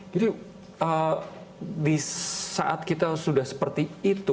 jadi di saat kita sudah seperti itu